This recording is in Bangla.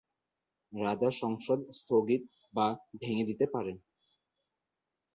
রাজা সংসদ স্থগিত বা ভেঙ্গে দিতে পারেন।